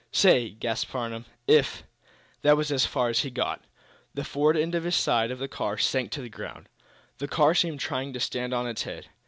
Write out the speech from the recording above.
"Say!" gasped Farnum. "If " That was as far as he got. The forward end of his side of the car sank to the ground. The car seemed trying to stand on its head.